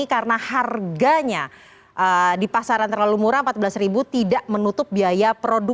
karena harganya di pasaran terlalu murah rp empat belas tidak menutup biaya